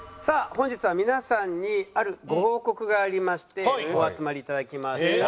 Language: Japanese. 本日は皆さんにあるご報告がありましてお集まりいただきました。